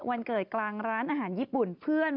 วันเกิดกลางร้านอาหารญี่ปุ่นเพื่อน